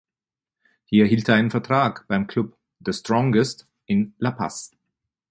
Hier erhielt er einen Vertrag bei Club The Strongest in La Paz.